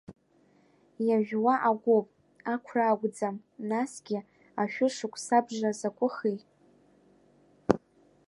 Иажәуа агәоуп, ақәра акәӡам, насгьы ашәышықәсабжа закәыхи!